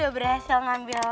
bisa lu deh